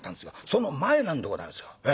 その前なんでございますよ。